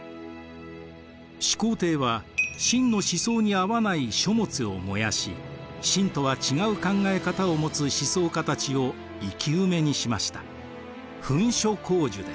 始皇帝は秦の思想に合わない書物を燃やし秦とは違う考え方を持つ思想家たちを生き埋めにしました。